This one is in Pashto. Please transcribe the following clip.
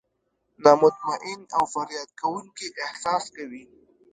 نا مطمئن او فریاد کوونکي احساس کوي.